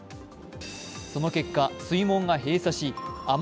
その結果、水門が閉鎖しあ